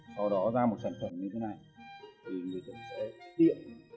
sau đó ra một sản phẩm như thế này thì mình sẽ tiện